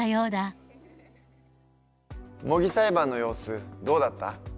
模擬裁判の様子どうだった？